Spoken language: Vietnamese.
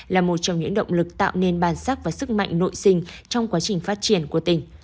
là một trong những động lực tạo nên bản sắc và sức mạnh nội sinh trong quá trình phát triển của tỉnh